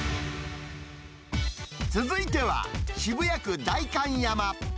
続いては、渋谷区代官山。